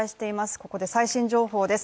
ここで最新情報です。